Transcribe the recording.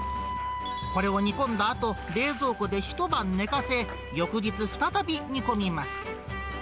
これを煮込んだあと、冷蔵庫で一晩寝かせ、翌日再び煮込みます。